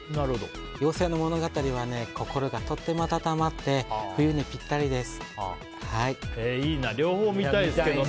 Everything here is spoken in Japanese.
「妖精の物語」は心がとっても温まって冬にぴったりです。